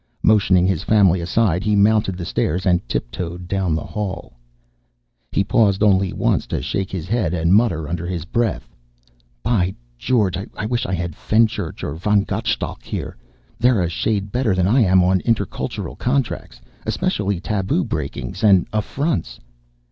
Motioning his family aside, he mounted the stairs and tiptoed down the hall. He paused only once to shake his head and mutter under his breath, "By George, I wish I had Fenchurch or von Gottschalk here. They're a shade better than I am on intercultural contracts, especially taboo breakings and affronts